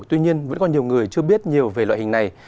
tuy nhiên vẫn còn nhiều người chưa biết nhiều về loại hình này